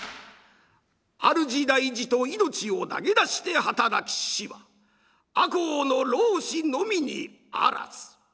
あるじ大事と命を投げ出して働きしは赤穂の浪士のみにあらず。